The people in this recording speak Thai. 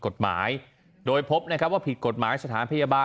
ขอบคุณครับ